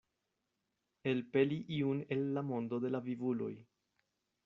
Elpeli iun el la mondo de la vivuloj.